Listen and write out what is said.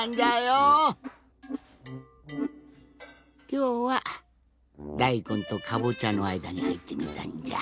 きょうはだいこんとかぼちゃのあいだにはいってみたんじゃ。